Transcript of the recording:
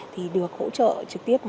thì được hỗ trợ trực tiếp